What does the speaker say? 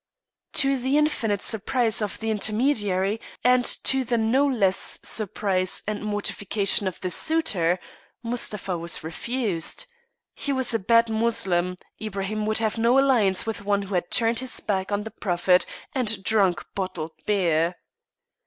To the infinite surprise of the intermediary, and to the no less surprise and mortification of the suitor, Mustapha was refused. He was a bad Moslem. Ibraim would have no alliance with one who had turned his back on the Prophet and drunk bottled beer.